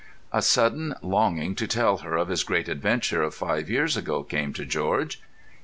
A sudden longing to tell her of his great adventure of five years ago came to George.